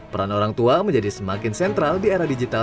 peran orang tua menjadi semakin sentral di era digital